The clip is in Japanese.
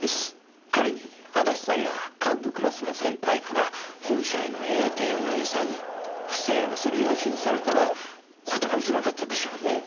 仮に足立さんが幹部クラスの先輩から本社への栄転を餌に不正をするよう指示されたら断りづらかったでしょうねぇ。